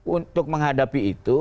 untuk menghadapi itu